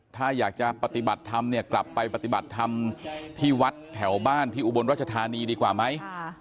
ถ้าอยากจะปฏิบัติธรรมเนี่ยกลับไปปฏิบัติธรรมที่วัดแถวบ้านที่อุบลรัชธานีดีกว่าไหม